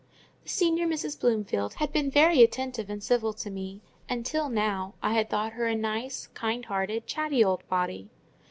The senior Mrs. Bloomfield had been very attentive and civil to me; and till now I had thought her a nice, kind hearted, chatty old body.